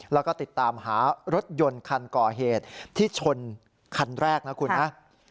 แล้วก็ติดตามหารถยนต์คันก่อเหตุที่ชนคันแรกนะคุณนะ